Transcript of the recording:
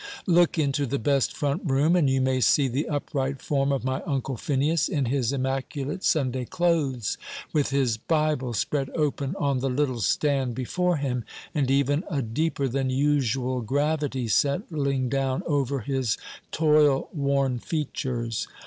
Look into the best front room, and you may see the upright form of my Uncle Phineas, in his immaculate Sunday clothes, with his Bible spread open on the little stand before him, and even a deeper than usual gravity settling down over his toil worn features.